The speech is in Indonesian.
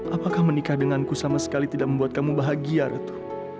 apakah menikah denganku sama sekali tidak membuat kamu bahagia ratu